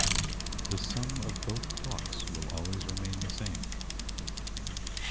The sum of both clocks will always remain the same.